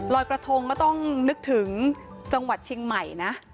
รอยกระทงก็ต้องนึกถึงจังหวัดเชียงใหม่นะ